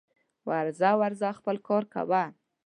ورځه ورځه خپل کار کوه